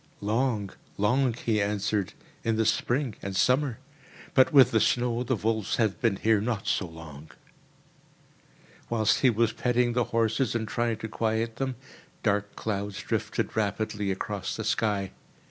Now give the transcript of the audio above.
"Long, long," he answered, "in the spring and summer; but with the snow the wolves have been here not so long." Whilst he was petting the horses and trying to quiet them, dark clouds drifted rapidly across the sky.